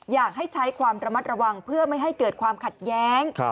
อยากให้ใช้ความระมัดระวังเพื่อไม่ให้เกิดความขัดแย้ง